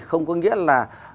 không có nghĩa là